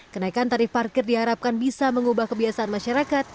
kenaikan tarif parkir diharapkan bisa mengubah kebiasaan masyarakat